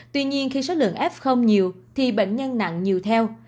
tuy nhiên khi số lượng f không nhiều thì bệnh nhân nặng nhiều theo